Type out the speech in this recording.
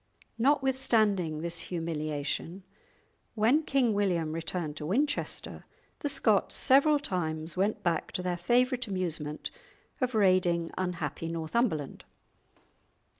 Notwithstanding this humiliation, when King William returned to Winchester, the Scots several times went back to their favourite amusement of raiding unhappy Northumberland.